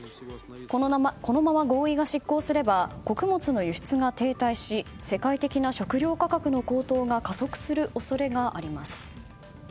このまま合意が執行すれば穀物の輸出が停滞し世界的な食糧価格の高騰が加速する恐れがあります。